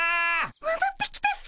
もどってきたっピ。